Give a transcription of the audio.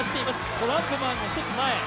トランプマンの１つ前。